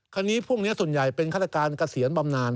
พวกนี้พวกนี้ส่วนใหญ่เป็นฆาตการเกษียณบำนาน